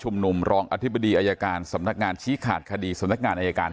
นุมรองอธิบดีอายการสำนักงานชี้ขาดคดีสำนักงานอายการ